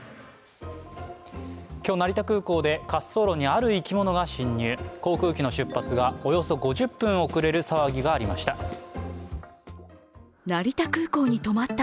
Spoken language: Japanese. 今日成田空港で、滑走路にある生き物が侵入、航空機の出発がおよそ５０分遅れる騒ぎがありました。